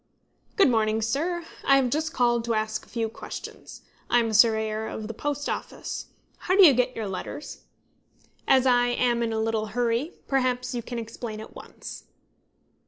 "Good morning, sir. I have just called to ask a few questions. I am a surveyor of the Post Office. How do you get your letters? As I am a little in a hurry, perhaps you can explain at once."